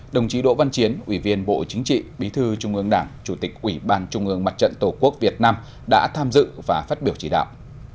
đồng chí đỗ văn chiến ủy viên bộ chính trị bí thư trung ương đảng chủ tịch ủy ban trung ương mặt trận tổ quốc việt nam đã tham dự và phát biểu chỉ đạo